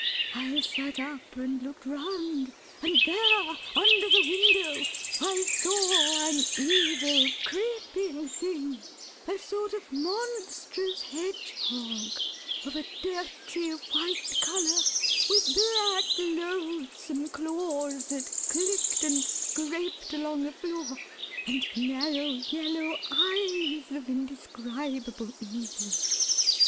I sat up and looked round, and there, under the window, I saw an evil, creeping thing, a sort of monstrous hedgehog, of a dirty white colour, with black, loathsome claws that clicked and scraped along the floor, and narrow, yellow eyes of indescribable evil.